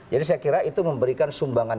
jadi saya kira itu memberikan sumbangan